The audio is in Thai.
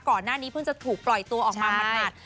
ก่อนหน้านี้เพิ่งจะถูกปล่อยตัวออกมาหมัด